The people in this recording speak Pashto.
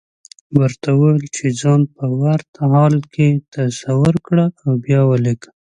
ورته وويل چې ځان په ورته حال کې تصور کړه او بيا وليکه.